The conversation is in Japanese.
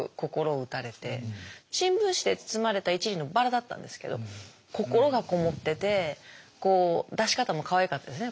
新聞紙で包まれた１輪のバラだったんですけど心がこもっててこう出し方もかわいかったんですね。